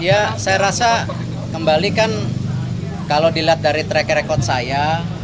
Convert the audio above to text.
ya saya rasa kembali kan kalau dilihat dari track record saya